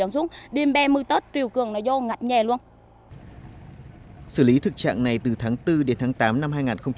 xử lý thực trạng này từ tháng bốn đến tháng tám năm hai nghìn một mươi bốn